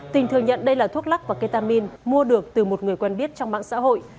tình thừa nhận đây là thuốc lắc và ketamin mua được từ một người quen biết trong mạng xã hội